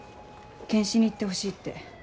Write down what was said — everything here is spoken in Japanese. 検視に行ってほしいって。